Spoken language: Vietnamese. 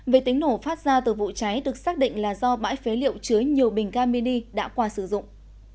về tính nổ phát ra từ vụ cháy được xác định là do bãi phế liệu chứa nhiều bình ga mini đã qua sử dụng